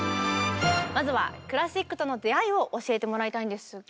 まずはクラシックとの出会いを教えてもらいたいんですが。